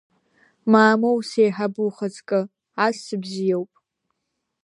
Мамоу сеиҳабы ухаҵкы, ас сыбзиоуп.